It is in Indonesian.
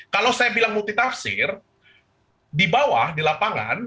kalau saya bilang multi tafsir di bawah di lapangan